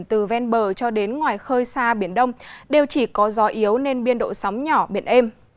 từ ven bờ cho đến ngoài khơi xa biển đông đều chỉ có gió yếu nên biên độ sóng nhỏ biển êm